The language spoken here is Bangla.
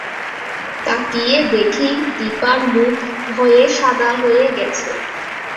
তাকিয়ে দেখি দিপার মুখ ভয়ে সাদা হয়ে গেছে।